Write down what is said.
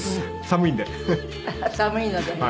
寒いのでね。